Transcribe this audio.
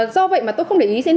do vậy tôi không để ý